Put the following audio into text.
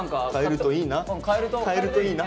買えるといいな。